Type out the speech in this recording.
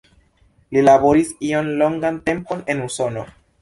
Li laboris iom longan tempon en Usono.